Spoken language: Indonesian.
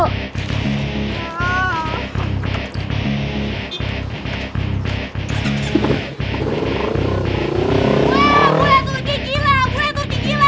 wah gue tuh kikila gue tuh kikila